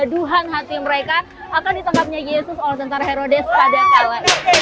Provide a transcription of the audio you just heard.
keduhan hati mereka akan ditangkapnya yesus oleh tentara herodes pada kala